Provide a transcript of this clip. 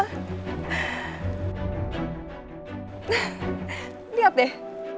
nah lihat deh